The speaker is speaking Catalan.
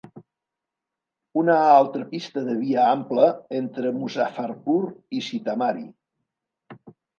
Una altra pista de via ampla entre Muzaffarpur i Sitamarhi.